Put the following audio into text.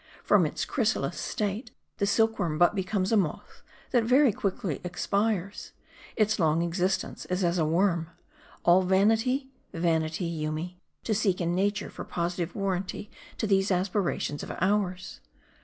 From its chrysalis state, the silkworm but becomes a moth, that very quickly expires. Its longest existence is as a worm. All vanity, vanity, Yoomy, to seek in nature for positive warran ty to these aspirations of ours.